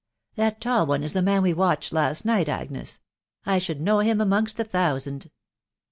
" That tall one is the man we watched lasUnigat* Agm*: I should know him amongst a thousand."